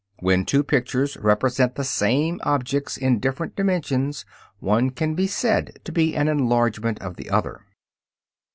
When two pictures represent the same objects in different dimensions one can be said to be an enlargement of the other.